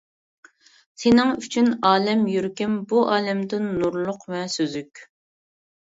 سېنىڭ ئۈچۈن ئالەم يۈرىكىم، بۇ ئالەمدىن نۇرلۇق ۋە سۈزۈك.